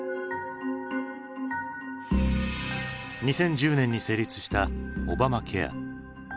２０１０年に成立したオバマケア。